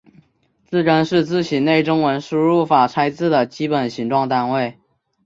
字根是字形类中文输入法拆字的基本形状单位。